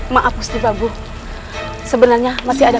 maaf musti pabu sebenarnya masih ada